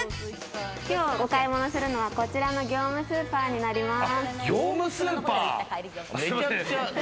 今日お買い物するのはこちらの業務スーパーになります。